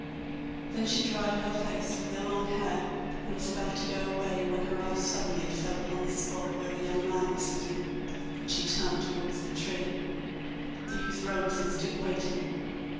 Then she dried her face with her long hair, and was about to go away, when her eye suddenly fell upon the spot where the young man was sitting, and she turned towards the tree. The youth rose and stood waiting.